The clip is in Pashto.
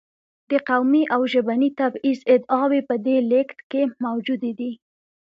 د قومي او ژبني تبعیض ادعاوې په دې لېږد کې موجودې دي.